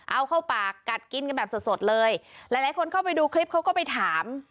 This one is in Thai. เอาเข้าปากกัดกินกันแบบสดสดเลยหลายคนเข้าไปดูคลิปเขาก็ไปถาม